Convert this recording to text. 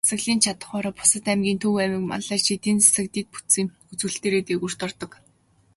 Засаглалын чадавхаараа бусад аймгийг Төв аймаг манлайлж, эдийн засаг, дэд бүтцийн үзүүлэлтээрээ дээгүүрт ордог.